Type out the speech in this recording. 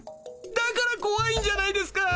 だからこわいんじゃないですか。